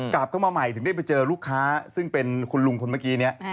กลับเข้ามาใหม่ถึงได้ไปเจอลูกค้าซึ่งเป็นคุณลุงคนเมื่อกี้นี้